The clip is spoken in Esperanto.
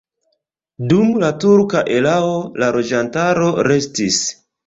Dum la turka erao la loĝantaro restis.